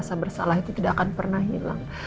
rasa bersalah itu tidak akan pernah hilang